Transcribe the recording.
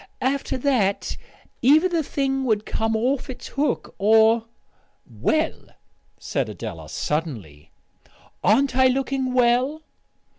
After that either the thing would come off its hook, or " "Well," said Adela suddenly, "aren't I looking well?"